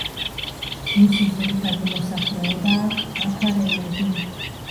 მისი ძირითადი მოსახლეობაა აფარელები.